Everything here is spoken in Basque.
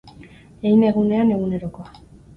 Egin egunean egunerokoa.